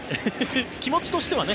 気持ちとしてはね。